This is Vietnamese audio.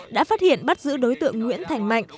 đã phát hiện bắt giữ đối tượng nguyễn thành mạnh